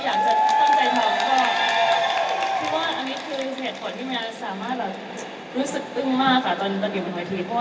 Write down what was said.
อยู่บนวนเวทีอาจจะไม่รู้สึกตึงหรือเปล่า